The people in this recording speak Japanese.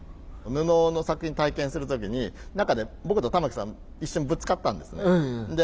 布の作品体験する時に中で僕と玉木さん一瞬ぶつかったんですね。